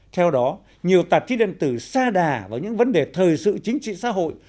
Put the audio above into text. theo đó nhiều tạp chí điện tử xa đà vào những vấn đề thời sự chính trị xã hội